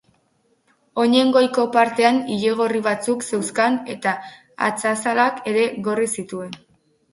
Oinen goiko partean ile gorri batzuk zeuzkan eta atzazalak ere gorri zituen.